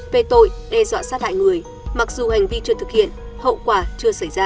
về tội đe dọa sát hại người mặc dù hành vi chưa thực hiện hậu quả chưa xảy ra